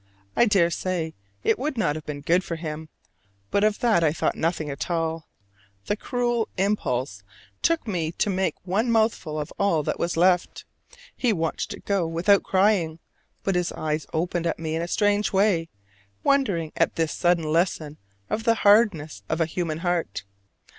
I dare say it would not have been good for him, but of that I thought nothing at all: the cruel impulse took me to make one mouthful of all that was left. He watched it go without crying; but his eyes opened at me in a strange way, wondering at this sudden lesson of the hardness of a human heart.